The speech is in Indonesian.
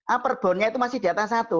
upper bound nya itu masih di atas satu